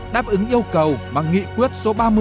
đáp ứng yêu cầu mà nghị quyết số ba mươi